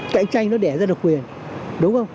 cạnh tranh nó đẻ ra độc quyền đúng không